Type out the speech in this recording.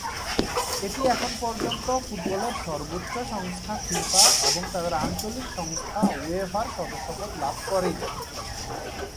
এটি এখন পর্যন্ত ফুটবলের সর্বোচ্চ সংস্থা ফিফা এবং তাদের আঞ্চলিক সংস্থা উয়েফার সদস্যপদ লাভ করেনি।